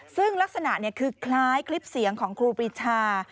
ซึ่งลักษณะคือคล้ายคลิปเสียงของครูปรีชา